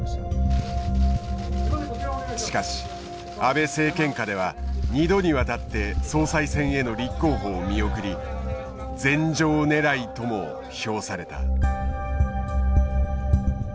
しかし安倍政権下では２度にわたって総裁選への立候補を見送り禅譲狙いとも評された。